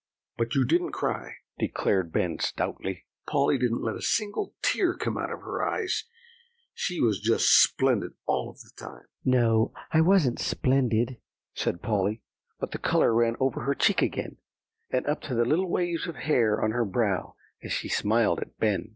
"But you didn't cry," declared Ben stoutly. "Polly didn't let a single tear come out of her eyes; she was just splendid all the time." "No, I wasn't splendid," said Polly; but the color ran over her cheek again, and up to the little waves of hair on her brow, as she smiled at Ben.